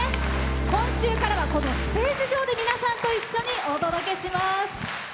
今週からはステージ上で皆さんと一緒にお届けします。